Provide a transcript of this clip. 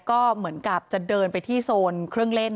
ก็เหมือนกับจะเดินไปที่โซนเครื่องเล่น